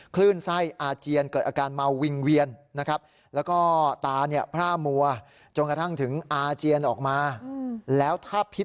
คลื่นไส้อาเจียนเกิดอาการเมาว์วิ่งเวียนนะครับ